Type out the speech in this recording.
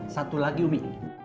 satu lagi umi